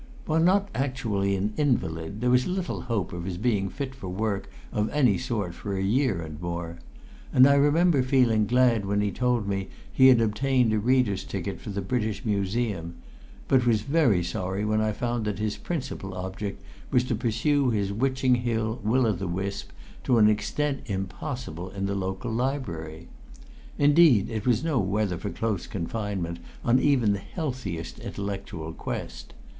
While not actually an invalid, there was little hope of his being fit for work of any sort for a year or more; and I remember feeling glad when he told me he had obtained a reader's ticket for the British Museum, but very sorry when I found that his principal object was to pursue his Witching Hill will o' the wisp to an extent impossible in the local library. Indeed, it was no weather for close confinement on even the healthiest intellectual quest.